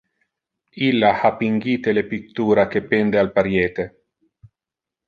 Illa ha pingite le pictura que pende al pariete.